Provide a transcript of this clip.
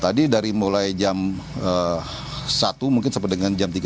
tadi dari mulai jam satu mungkin sampai dengan jam tiga empat puluh lima tadi